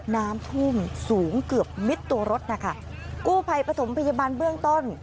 น้ำท่วมสูงเกือบมิดตัวรถนะคะกู้ภัยปฐมพยาบาลเบื้องต้น